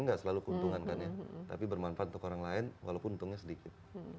enggak selalu keuntungan kan ya tapi bermanfaat untuk orang lain walaupun untungnya sedikit